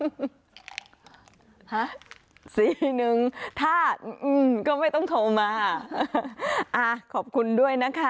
ฮะสี่หนึ่งถ้าก็ไม่ต้องโทรมาอ่าขอบคุณด้วยนะคะ